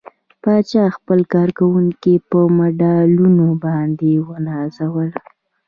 پاچا خپل کارکوونکي په مډالونو باندې ونازوه.